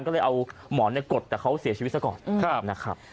ก็เลยเอาหมอนกดแต่เขาเสียชีวิตซะก่อนนะครับ